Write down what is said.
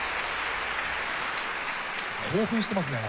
興奮してますね。